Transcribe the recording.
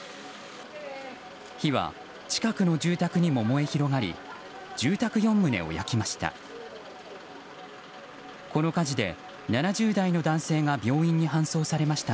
火は近くの住宅にも燃え広がり住宅４棟を焼きました。